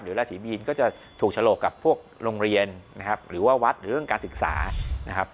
ราศีมีนก็จะถูกฉลกกับพวกโรงเรียนนะครับหรือว่าวัดหรือเรื่องการศึกษานะครับ